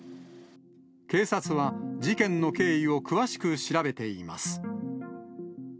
警察は事件の経緯を詳しく調べています。